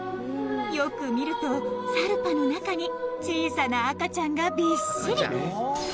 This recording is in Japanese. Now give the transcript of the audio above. よく見るとサルパの中に小さな赤ちゃんがびっしり！